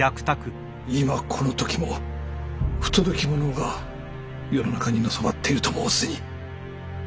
今この時も不届き者が世の中にのさばっていると申すに。